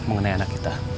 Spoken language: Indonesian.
mengenai anak kita